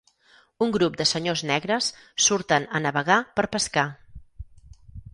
Un grup de senyors negres surten a navegar per pescar.